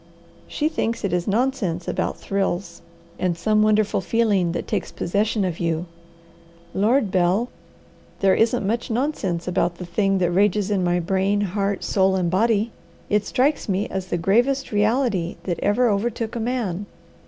She thinks it is nonsense about thrills, and some wonderful feeling that takes possession of you. Lord, Bel! There isn't much nonsense about the thing that rages in my brain, heart, soul, and body. It strikes me as the gravest reality that ever overtook a man.